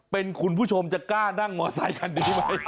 เป็นคุณผู้ชมจะกล้านั่งมอไซคันนี้ไหม